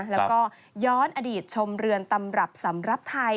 แล้วก็ย้อนอดีตชมเรือนตำรับสำหรับไทย